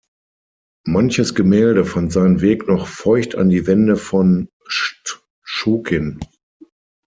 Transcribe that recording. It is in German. Manches Gemälde fand seinen Weg noch feucht an die Wände von Schtschukin.